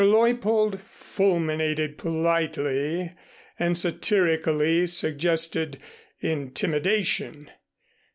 Leuppold fulminated politely and satirically suggested intimidation.